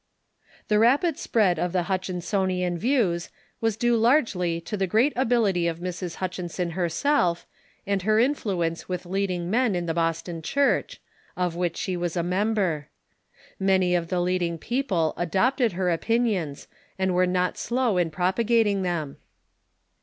The rapid spread of the Hutchinsonian views was due large 480 THE CHURCH IN THE UNITED STATES ly to the great ability of Mrs. Hutchinson herself, and her in fluence with leading men in the Boston Church, of which she was a member. Many of the leading people adopted her opin ions, and were not slow in propagating them.